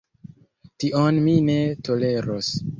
Tion mi ne toleros!